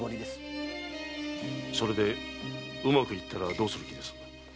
それでうまくいったらどうする気ですか？